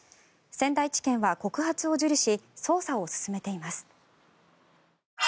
仙台地検は告発を受理し捜査を進めています。